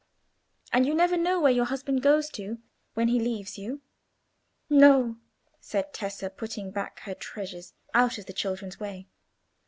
And you never know where your husband goes to when he leaves you?" "No," said Tessa, putting back her treasures out of the children's way.